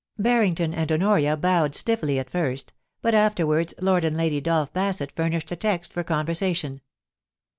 Barrington and Honoria bowed stiffly at first, but after wards Lord and Lady Dolph Basset furnished a text for conversation.